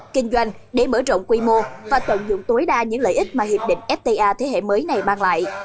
kinh doanh để mở rộng quy mô và tận dụng tối đa những lợi ích mà hiệp định fta thế hệ mới này mang lại